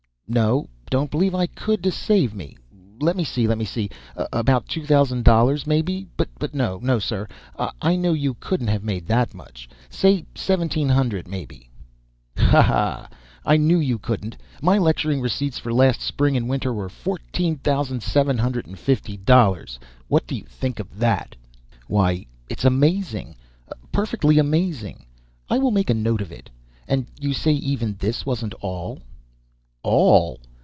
"No don't believe I could, to save me. Let me see let me see. About two thousand dollars, maybe? But no; no, sir, I know you couldn't have made that much. Say seventeen hundred, maybe?" "Ha! ha! I knew you couldn't. My lecturing receipts for last spring and this winter were fourteen thousand seven hundred and fifty dollars. What do you think of that?" "Why, it is amazing perfectly amazing. I will make a note of it. And you say even this wasn't all?" "All!